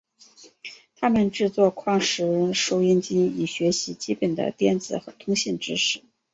他们制作矿石收音机以学习基本的电子和通信知识。